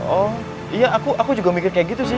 oh iya aku juga mikir kayak gitu sih